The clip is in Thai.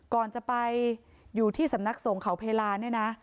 ก่อนจะไปอยู่ที่สำนักสงข่าวเพลา